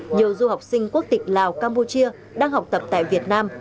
nhiều du học sinh quốc tịch lào campuchia đang học tập tại việt nam